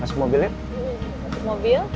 masuk mobil ya